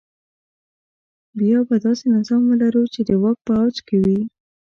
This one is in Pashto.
بیا به داسې نظام ولرو چې د واک په اوج کې وي.